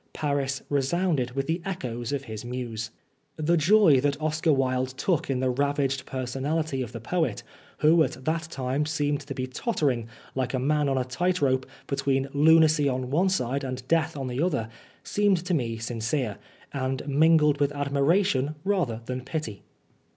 Paris resounded with the echoes of his muse. The joy that Oscar Wilde took in the ravaged personality of the poet, who at that time seemed to be tottering, like a man on a tight rope, between lunacy on one side and death on the other, seemed to me sincere, and mingled with admiration rather than pity.